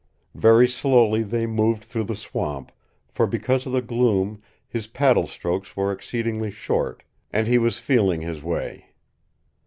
Very slowly they moved through the swamp, for because of the gloom his paddle strokes were exceedingly short, and he was feeling his way.